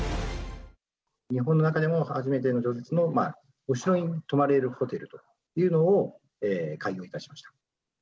日本の中でも初めての常設のお城に泊まれるホテルというのを開業いたしました。